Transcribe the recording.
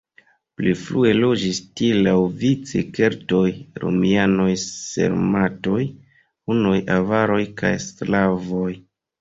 Pli frue loĝis tie laŭvice keltoj, romianoj, sarmatoj, hunoj, avaroj kaj slavoj.